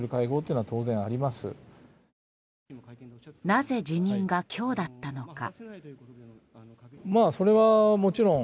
なぜ辞任が今日だったのか。